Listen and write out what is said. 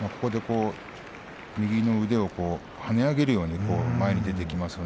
右の腕を跳ね上げるように前に出てきました。